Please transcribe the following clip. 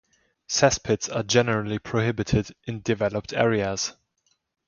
Cesspits are generally prohibited in developed areas.